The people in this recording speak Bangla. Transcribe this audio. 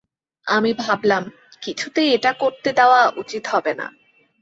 আমি ভাবলাম, কিছুতেই এটা করতে দেওয়া উচিত হবে না।